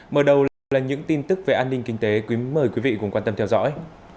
mở đầu là những tin tức về an ninh kinh tế quý vị cùng quan tâm theo dõi